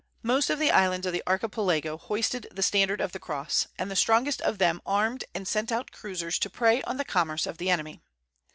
Most of the islands of the Archipelago hoisted the standard of the Cross; and the strongest of them armed and sent out cruisers to prey on the commerce of the enemy.